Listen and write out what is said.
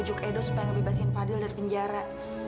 untuk memujuk edo supaya ngebebasin fadil dari penjara